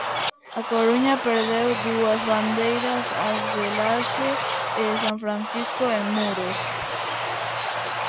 A Coruña perdeu dúas bandeiras, as de Laxe e San Francisco, en Muros.